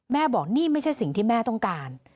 บอกนี่ไม่ใช่สิ่งที่แม่ต้องการ